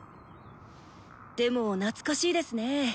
でも懐かしいですねぇ。